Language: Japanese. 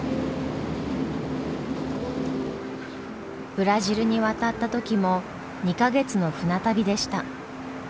ブラジルに渡った時も２か月の船旅でした。